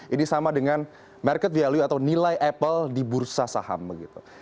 ini sama dengan market value atau nilai apple di bursa saham begitu